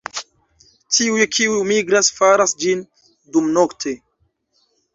Tiuj kiuj migras faras ĝin dumnokte.